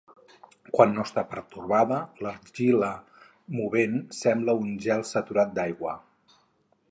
Quan no està pertorbada l'argila movent sembla un gel saturat d'aigua.